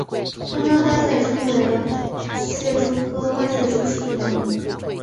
三斑花蟹蛛为蟹蛛科花蟹蛛属的动物。